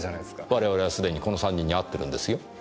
我々はすでにこの３人に会ってるんですよ。